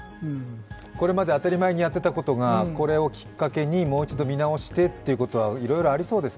これまで当たり前にやっていたことが、これをきっかけにもう一度見直してということはいろいろ、ありそうですね。